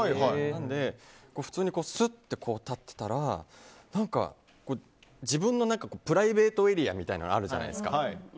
なので、普通にすっと立ってたら何か、自分のプライベートエリアみたいなのあるじゃないですか。